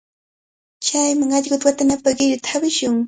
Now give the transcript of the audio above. Chayman allquta watanapaq qiruta hawishun.